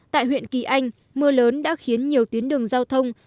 tại huyện kỳ anh mưa lớn đã khiến nhiều tuyến đường giao thông